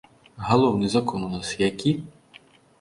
Галоўны закон у нас які?